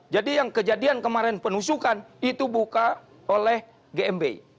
jadi yang kejadian kemarin penusukan itu bukan oleh gmbh